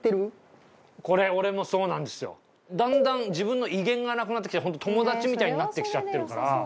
だんだん自分の威厳がなくなってきて本当友達みたいになってきちゃってるから。